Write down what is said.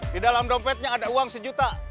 di dalam dompetnya ada uang sejuta